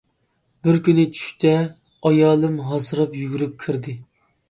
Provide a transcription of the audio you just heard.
بىركۈنى چۈشتە ئايالىم ھاسىراپ يۈگۈرۈپ كىردى.